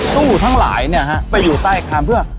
ตู้ทั้งหลายเนี่ยฮะไปอยู่ใต้อาคารเพื่อ